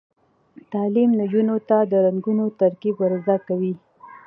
تعلیم نجونو ته د رنګونو ترکیب ور زده کوي.